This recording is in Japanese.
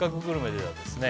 ではですね